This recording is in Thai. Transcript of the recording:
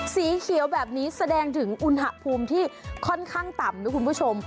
สีเขียวแบบนี้แสดงถึงอุณหภูมิที่ค่อนข้างต่ำนะคุณผู้ชม